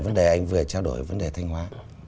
vấn đề anh vừa trao đổi vấn đề thanh hóa